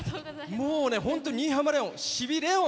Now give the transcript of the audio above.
もうね、本当に新浜レオンさんしびレオン！